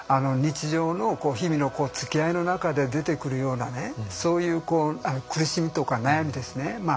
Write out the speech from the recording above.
日常の日々のつきあいの中で出てくるようなねそういう苦しみとか悩みですね。